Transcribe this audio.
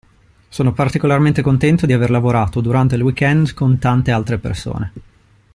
Sono particolarmente contento di aver lavorato, durante il weekend, con tante altre persone.